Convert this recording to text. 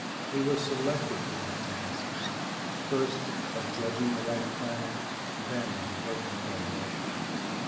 We were selected for that task first of judging the right planet, then of working it over.